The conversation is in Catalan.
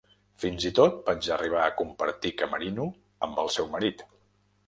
Fins i tot vaig arribar a compartir camerino amb el seu marit.